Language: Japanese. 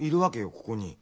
ここに。